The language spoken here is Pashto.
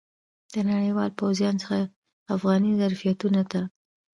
د نړیوالو پوځیانو څخه افغاني ظرفیتونو ته.